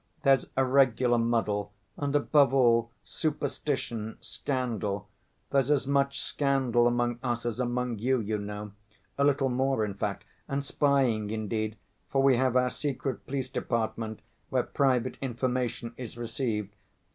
There's a regular muddle, and, above all, superstition, scandal; there's as much scandal among us as among you, you know; a little more in fact, and spying, indeed, for we have our secret police department where private information is received.